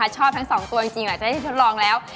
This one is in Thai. ชอบทั้งสองตัวจริงหลังจากได้ทดลองแล้ว